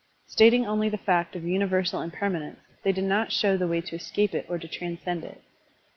Stating only the fact of universal impermanence, they did not show the way to escape it or to transcend it.